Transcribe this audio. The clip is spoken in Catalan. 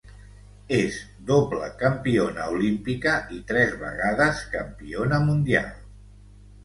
És doble campiona olímpica i tres vegades campiona mundial.